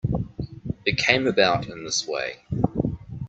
It came about in this way.